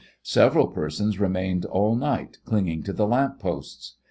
Several persons remained all night clinging to the lamp posts.